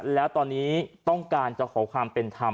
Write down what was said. แล้วตอนนี้ต้องการจะขอความเป็นธรรม